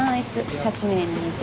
シャチ姉に似て。